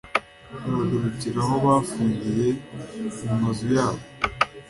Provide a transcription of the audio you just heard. bagaragurikira aho bafungiye mu mazu yabo